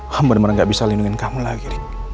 benar benar tidak bisa melindungi kamu lagi